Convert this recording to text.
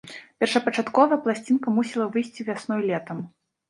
Першапачаткова пласцінка мусіла выйсці вясной-летам.